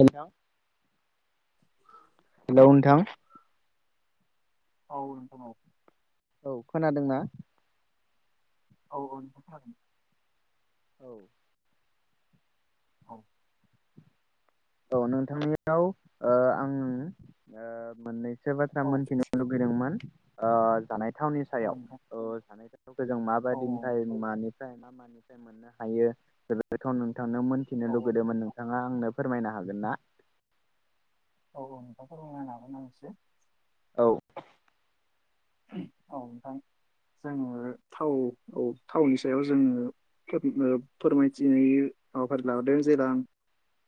नोंथां। हेल नोंथां। औ नोंथां औ। औ खोनादोंना? औ औ नोंथां खोनादों। औ। औ। औ नोंथांनियाव ओ आं मोन्नै। मोनसे बाथ्रा औ मोनथिनो लुुबैदोंमोन ओ जानाय थावनि औ सायाव नोंथां जानायाव खौ जों औ माबायदिनिफ्राय मानिफ्राय मा मानिफ्राय मोननो हायो बेबोथ' नों थांनो मोनथिनो औ लुगैदोंमोन नोंथाङा आंनो फोरमायनो हागोन ना? औ औ नोंथांखौ फोरमायगोन एसे औ। औ नोंथां जोङो थाव औ थावनि सायाव जोङो ओ फोरमायथिनाय हाबाफारि लाबोदों जेब्ला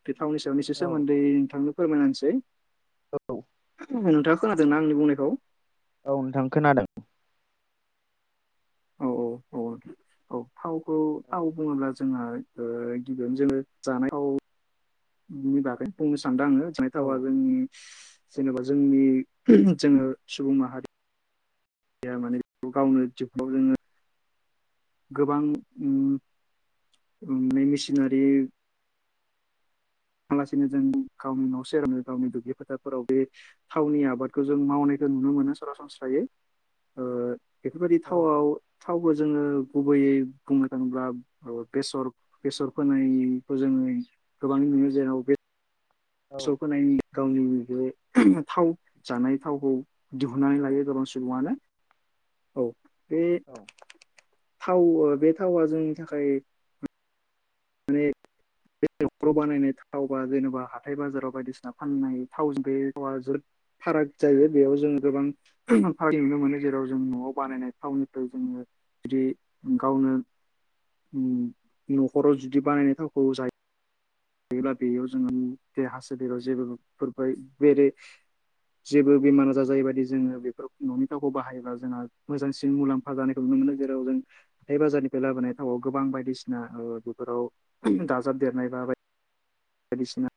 बे थावनि सायावसो औ सोमोन्दै नोंथांनो फोरमायना औ होनोसै नोंथां खोनादों ना आंनि बुंनायखौ औ नोंथां खोनादों औ औ औ औ थावखौ औ थाव बुङोब्ला जोंहा गिबियावनो जोङो जानायावनि बागै बुंनोसै सानदों आङो जनाय थावा जोंनि जेनेबा जोंनि जोङो सुबुं माहारि या माने बेखौ गावनो बाव जोङो गोबां मेसिनारि लासिनो जों गावनि न'से आरो गावनि दुब्लि फोथारफोराव बे थावनि आबादखौ जों मावनाय नुनो मोनो सरासनस्रायै ओ [unintelligible] बेफोरबायदि औ थावआव थावबो जोङो गुबैयै बुंनो थाङोब्ला बेसर बेसर फोनायखौ जोङो गोबां नुयो जेराव औ बेसर फोनायनि गावनि बे थाव जानाय थावखौ दिहुननानै औ लायो सुबुङानो औ बे औ थाव बे थावा जोंनि थाखाय बे नखाव बानायनाय थावबा जेनेबा हाथाय बाजाराव बायदिसिना फाननाय थाव बे थावा जोद फाराग जायो बेयाव जोङो गोबां फाराग नुनो मोनो जेराव जों न'आव बानायनाय थावनिफ्राय जोङो जुदि गावनो न' खराव जुदि बानायनाय थावखौ जायो गायोब्ला बेयाव जोङो देहा सोलेरयाव जेबो फोरबाय बेरे जेबो बेमार आजार जायो बाददि जोंङो बेफोर ननि थावखौ बाहायोब्ला जोंहा मोजांसिन मुलाम्फा जानायखौ नुो नुनाय जेराव जों हाथाय बाजानिफ्राय लाबोनाय थावआव गोबां बायसिना ओ बेफोराव दाबेर देरनाय बा बायसिना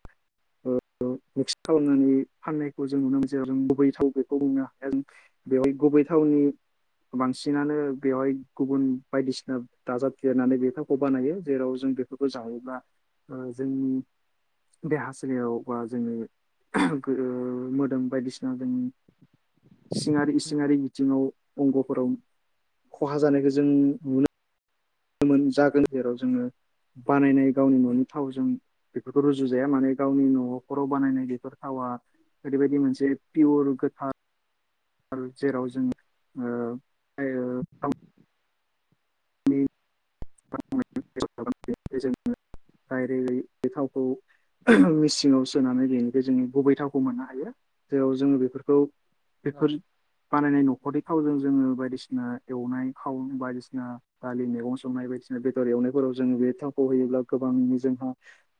मिक्स खालामनानै फाननायखौ जों नुनो मोनसै‌ आरो गुबै थाव बेखौ बुंनो हाखाया जों बेवहाय गुबै थावनि बांसिनानो बेवहाय गुबुन बायदिसिना दाजाब देरनानै बे थावखौ बानायो जेराव जों बेफोरखौ जावोब्ला ओ जोंनि देहा सोलेराव बा जोंङो गो ओ मोदोम बायदिसिना दों [unintelligible] सिंङारि उम सिंङारि बिथिङाव अंगफोराव खहा औ जानायखो जों नुनो जागोन जेराव जोंङो बानायनाय गावनि ननि उम थावजों बेफोरखौ रुजु जाया माने गावनि नखराव बानायनाय बेर थावा ओरैबायदि मोनसे पियर गोथार आरो जेराव जों ओ [inaudible] [unintelligible] डायरेक्ट बे थावखौ मिसिंआव सोनानै बेनिफाय जोंङो गुबै थावखौ मोननो हायो। जेराव जोंङो बेफोरखौ औ बेफोर बानायनाय नख खरनि थावजों जोंङो बायदिसिना एवनाय खाव बायदिसिना दालि मेगं संनाय बायदिसिना बेदर एवनायफोराव जों बे थावखौ होयोब्ला गोबां जोंहा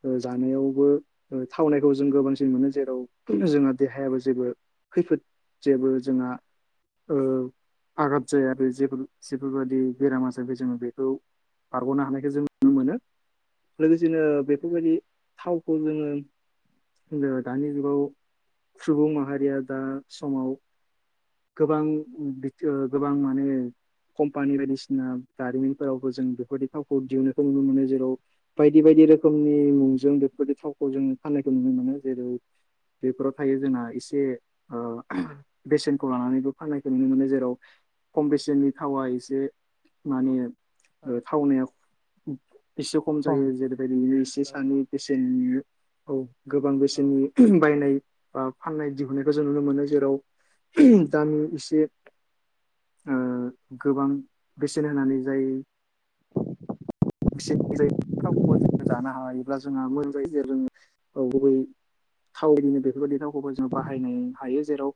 ओ जानायावबो ओ थावनायखौ जों गोबांसिन मोनो जेराव किन्तु जोंहा देहायाबो जेबो खैफोद जेबो जोंहा ओ आघात जाया बे जेफोर जेफोरबादि बेरामा जाथे जों बे खौ बारगनो हानायखौ जों नुनो मोनो लोगोसेनो उम बेफोरबायदि थाव खौ जोङो [unintelligible] दानि जुगाव सुबुं माहारिया दा समाव गोबां बिख ओ गोबां माने कम्पानि बायदिसिना दारिमिन फोरावबो जों बेफोरदि थावखौ दिहुननाय खौ नुनो मोनो जेराव बायदि बायदि रोखोमनि मुंजों बेफोरदि थाव खौ जों फाननायखौ नुनो मोनो जेरै बेफोराव थायो जोंना एसे ओ बेसेनखौ लानानैबो फाननायखौ नुनो मोनो जेराव खम बेसेननि थावा एसे माने औ ओ थावनाया एसे खम जायो जेरैबायदिनो एसे औ सानि बेसेननो औ। गोबां औ बेसेननि बायनाय बा फाननाय दिहुननायखौ जों नुनो मोनो जेराव दाम एसे ओ गोबां बेसेन होनानै जाय [unintelligible] जानो हायोब्ला जोंहा मोजां [unintelligible] थावनिनो बेफोरबायदि थावखौबो जों बाहायनाय हायो जेराव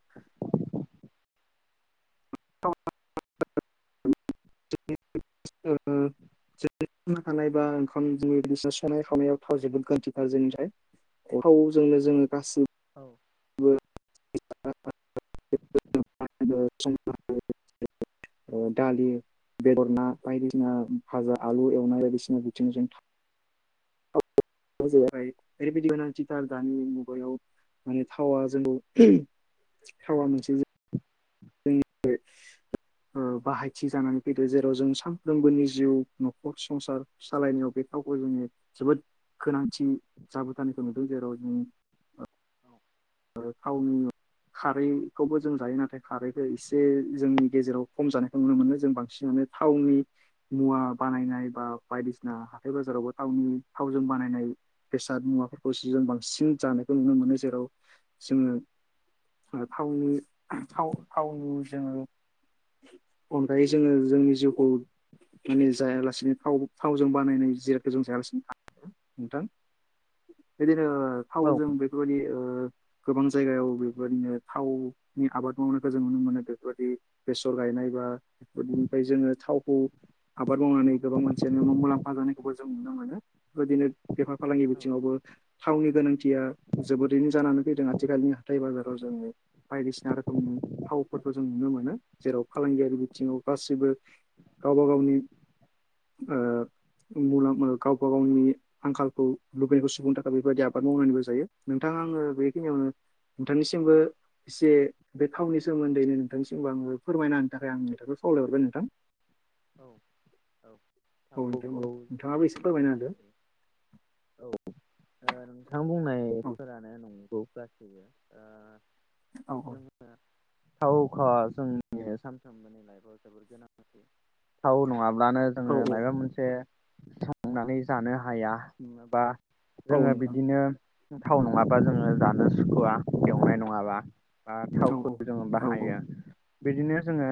[unintelligible] [unintelligible] [unintelligible] ओंखाम [unintelligible] संनाय खावनायाव थाव जोबोद गोनांथिथार जोंनि थाखाय। थावजोंनो जोङो गासिब औ [unintelligible] ओ दालि बेदर ना बायदिसिना भाजा आलु एवनाय बायदिसिना बिथिंजों [unintelligible] ओरैबायदि गोनांथिथार दानि मुगायाव माने थावा जोंखौ थावा मोनसे [unintelligible] ओ बाहायथि जानानै फैदो जेराव जों सानफ्रोमबोनि जिउ न'खर संसार सालायनायाव बेफ [unintelligible] जोंङो जोबोद गोनांथि जाबोथानायखौ नुदों जेराव जों ओ औ थावनि खारैखौबो जों जायो नाथाय खारैखौ इसे जोंनि गेजेराव खम जानायखौ नुनो मोनो जों बांसिनानो थावनि मुवा बानायनाय बा बायदिसिना हाथाय बाजारावबो थावनि थावजों बानायनाय बेसाद मुवाफोरखौ जों बांसिन जानायखौ नुनो मोनो जेराव जोङो ओ थावनि जोङो अनगायै जोङो जोंनि जिउखौ माने जायालासिनो थाव थावजों बानायनाय जिरादखौ जों जायालासिनो [inaudible] नोंथां। बिदिनो औ थावजों बेफोरबादि ओ गोबां जायगायाव बेफोबादिनो थावनि आबाद मावनायखौ जों नुनो मोनो बेफोरबादि बेसर गायनाय [unintelligible] जोङो थावखौ आबाद मावनानै गोबां मोनानसियानो मुलाम्फा जानायखौबो जों नुनो मोनो बेबायदिनो बेफार फालांगि बिथिंङावबो थावनि गोनांथिया जोबोदैनो जानानै जफैदों आथिखालनि हाथाय बाजाराव जों बायदिसिना रोखोमनि थावफोरखौ जों नुनो मोनो जेराव फांगियारि औ बिथिंङाव गासैबो गावबा गावनि ओ मुलाम गावबा गावनि आंखालखौ लुबैनायखौ सुबुंनो थाखाय बेबायदि आबाद मावनानैबो जायो नोंथांङा आंङो खिनियावनो नोंथांनिसिमबो एसे बे थावनि सोमोन्दैनो नोंथांनिसिमबो आंङो फोरमायना होनो थाखाय आं नोंथांखौ खावल हरबाय नोंथां औ औ नोंथां थावखौ औ नोंथांङा बो औ एसे फोरमायना होदो नोंथां औ बुंनायफोरानो नंगौ गासैयो ओ औ जोंङो थावखौ जोंनि सानफ्रामबोनि लाइफआव जोबोद गोनांथि थाव नंङा नंङाब्लानो औ जोंङो मायबा मोनसे संनानै जानो हाया बा औ जोंङो नोंथां बिदिनो थाव नंङाबा जोंङो जानो सुखुवा एवनाय नंङाबा बा औ थावखौ जोंङो औ बाहायो बिदिनो जोंङो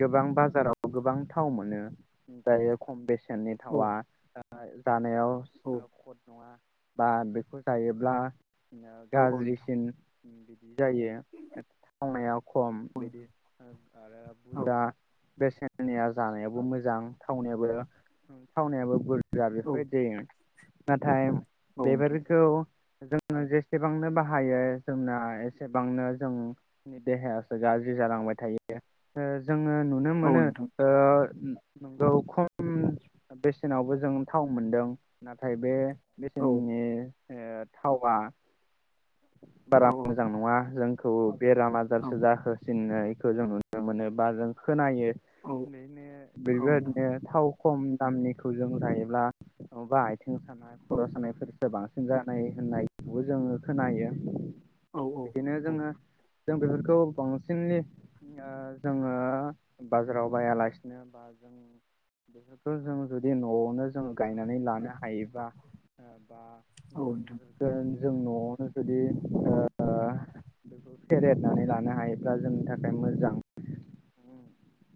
गोबां बाजाराव गोबां थाव मोनो ओमफ्रायो खम बेसेन नि थाव‌वा नायाव औ खद नंङा बा बेखौ जायोब्ला औ नोंथां गाज्रिसिन बि बिदि जायो थावनाया खम औ बिदि नोंथां आरो बुरजा बेसेननिया जानायाबो मोजां थावनायाबो थावनायाबो बुरज जा औ बेफोरबायदि जायो नाथाय नोंथां बेफोरखौ जोंङो जेसेबांनो बाहायो जोंना एसेबांनो जोंनि देहायासो गाज्रि जालांबाय थायो ओ जोंङो नुनो औ मोनो नोंथां ओ नोंगौ खम बेसेनावबो जों थाव मोनदों नाथाय बे औ बेसेननि ओ थावआ औ बारा मोजां नंङा जों खौ बेराम आजारसो जाहोसिननायखौ जों नुनो मोनो बा जों खोनायो औ बेनो औ नोंथां बेबायदिनो थाव खम दामनिखौ जों लायोब्ला माबा आथिं सानाय औ खर' सानायफोरसो बांसिन जानाय होननायखौबो जोंङो खोनायो औ बिदिनो जोंङो औ जों बेफोरखौ बांसिनलि ओ जोंङो बाजाराव बायालासिनो बा जों बेफोरखौ जों जुदि न'आवनो जों गायनानै लानो हायो हायोबा बा जों नोंथां औ जों न'आवनो जुदि ओ बेखौ फेरेरनानै लानो हायोब्ला जोंनि थाखाय मोजां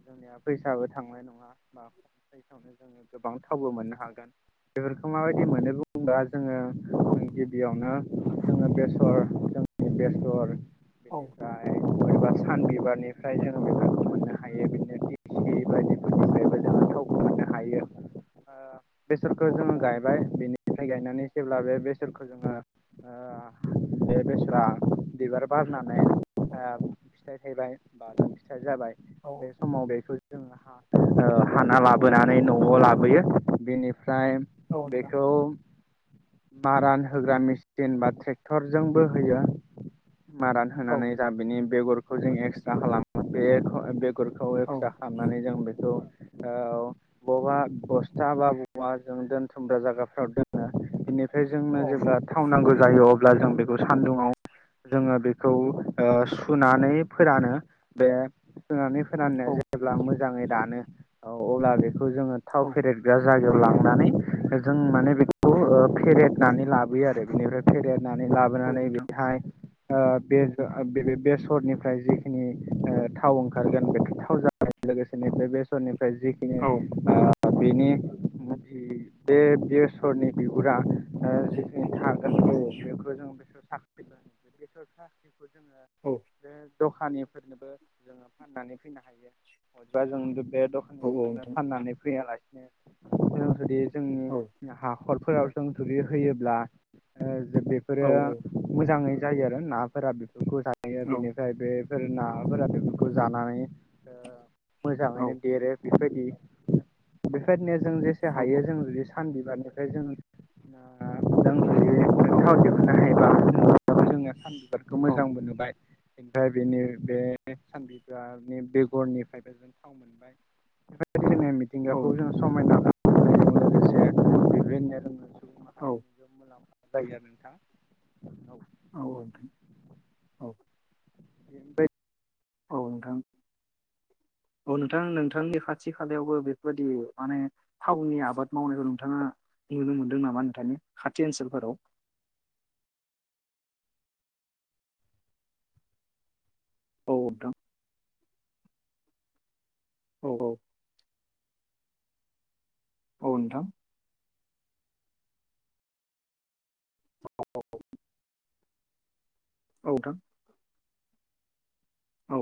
जोंनिया फैसाबो थांनाय नंङा बा फैसायावनो जोंङो गोबां थावबो मोननो हागोन बेफोर खौ माबायदि मोनो बुंबा जोंङो जों गिबियावनो जोंङो बेसर जोंनि बेसर औ बिनिफ्राय सान बिबारनिफ्राय जोंङ बिबारखौ मोननो हायो। [inaudible] औ औ थावखौ मोननो हायो ओ बेसरखौ औ जोंंङो नोंथां गायबाय बिनि ओमफ्राय गायनानै जेब्ला बे बेसरखौ जोंङो ओ बे बेसरा बिबार बारनानै औ ओमफ्राय ओ फिथाइ थायबाय बा फिथाइ जाबाय औ बे औ समाव बेखौ जों हाना ओ लाबोनानै न'आव लाबोयो बेनि फ्राय औ नोंथां बेखौ मारान होग्रा मेसिन बा ट्रेक्टरजोंबो होयो मारान औ होनानै जा बिनि बेगरखौ जों एक्स्रा खालामो बे गरखौ औ फिसा खालामनानै जों बेखौ औ बबबा बस्था बा बबा जों दोनथुमग्रा जायगाफ्राव दोनो बेनिफ्राय फ्राय जोंनो औ जेब्ला थावनांगौ जायो अब्ला जों बेखौ सान्दुङआव जोङो बेखौ सुनानै फोरानो बे सुनानै फोराननाया औ जेब्ला मोजाङै रानो अब्ला बेखौ जोङो थाव औ फेरेदग्रा जा लांनानै जों माने बेखौ फेरेदनानै लाबोयो आरो बेनिफ्राय फेरद नानै औ लाबोनानै नोंथां बेहाय बे बेसरनिफ्राय जिखिनि थाव ओंखारगोन बे थाव जानाय लोगोसे न बेसरनिफ्राय जिखिनि औ बेनि बे बेसरनि बिगुरा थागोन औ बेखौ जों बेसोर साख्रि बेसोर साख्रि जोङो औ बे दखानिफोरनोबो जोङो फाननानै फैनो हायो बबेबा जों बे औ दखाननिफोरनो नोंथां फाननानै फैयालासे [unintelligible] औ जोंनि हाखर फोराव सों थुरि होयोब्ला औ नोंथां औ बेफोरो मोजाङै जायो आरो नाफोरा बेफोरखौ जाहायो नोंथां बेनिफ्राय बेफोर नाफोरा बेफोरखौ जानानै औ मोजाङैनो देरो बेबायदि बेफौरबायदिनोया जों जेसे हायो जों जुदि सानबिबारनिफ्राय जों जुदि औ जोंङो सान बिबारखौ मोजांमोनबोबाय ओमफ्राय बेनि बे सान बिबारनि बेगरनिफ्रायबो जों थाव मोनबाय [unintelligible] मिथिंगाखौबो जों औ समायना [unintelligible] औ माहारिनिबो मुलाम्फा जायो आरो नोंथां औ औ [inaudible] औ नोंथां [inaudible] औ नोंथां नोंथांनि खाथि खालायावबो बेफोरबायदि माने थावनि आबाद मावनायखौ नोंथाङा नुनो मोनदों नामा नोंथांनि खाथि ओनसोलफोराव [inaudible] औ नोंथां औ औ औ नोंथां [unintelligible] औ नोंथां औ